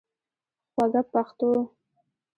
خوږه پښتو